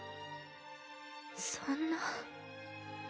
そんな。